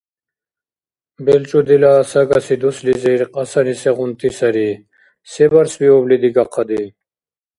БелчӀудила сагаси дуслизир кьасани сегъунти сари, се барсбиубли дигахъади?